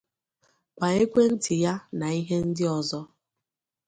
ma ekwentị ya na ihe ndị ọzọ